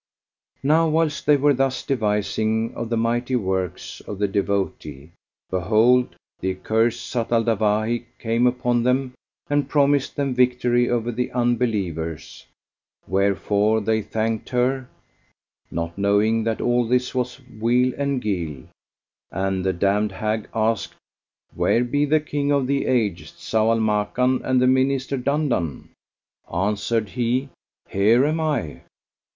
Now whilst they were thus devising of the mighty works of the devotee, behold, the accursed Zat al Dawahi came upon them; and promised them victory over the Unbelievers; wherefor they thanked her (not knowing that all this was wile and guile) and the damned hag asked, "Where be the King of the Age, Zau al Makan, and the Minister Dandan?" Answered he, "Here am I!"